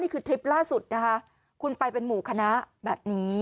ทริปล่าสุดนะคะคุณไปเป็นหมู่คณะแบบนี้